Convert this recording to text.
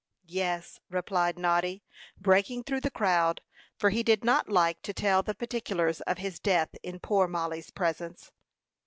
"Yes," replied Noddy, breaking through the crowd, for he did not like to tell the particulars of his death in poor Mollie's presence.